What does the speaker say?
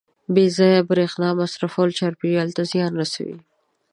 • بې ځایه برېښنا مصرفول چاپېریال ته زیان رسوي.